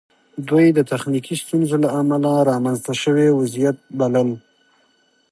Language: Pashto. دوی د تخنیکي ستونزو له امله رامنځته شوی وضعیت بلل